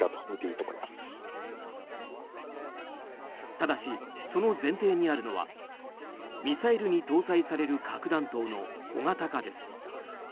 ただし、その前提にあるのはミサイルに搭載される核弾頭の小型化です。